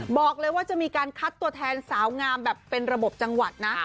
บอกเลยว่าจะมีการคัดตัวแทนสาวงามแบบเป็นระบบจังหวัดนะ